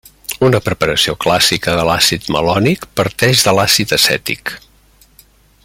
Una preparació clàssica de l'àcid malònic parteix de l'àcid acètic.